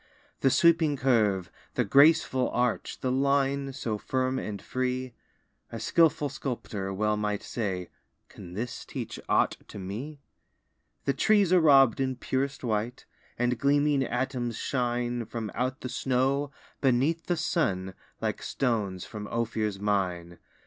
The sweeping curve, the graceful arch, The line so firm and free; A skilful sculptor well might say: "Can this teach aught to me?" The trees are rob'd in purest white, And gleaming atoms shine From out the snow, beneath the sun, Like stones from Ophir's mine.